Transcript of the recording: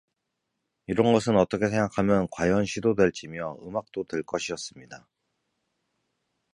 이런 것은 어떻게 생각하면 과연 시도 될지며 음악도 될 것이었습니다.